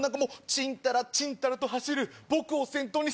ちんたらちんたらと走る僕を先頭に。